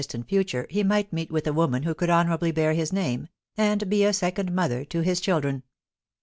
tant future he might meet with a woman who could honour ably bear his name, and be a second mother to his children.